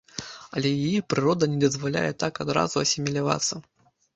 Але яе прырода не дазваляе так адразу асімілявацца.